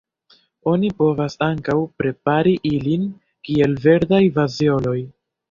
Oni povas ankaŭ prepari ilin kiel verdaj fazeoloj.